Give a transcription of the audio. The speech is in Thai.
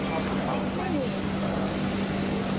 เป็นผลลักษณ์หรือภำมุติจรส